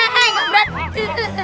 hei enggak berat